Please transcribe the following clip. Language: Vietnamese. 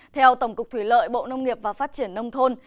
theo tổng cục thủy lợi bộ nông nghiệp và phát triển nông thôn